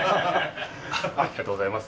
ありがとうございます。